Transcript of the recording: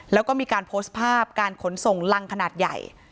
แล้วก็มีการโพสต์ภาพการขนส่งรังขนาดใหญ่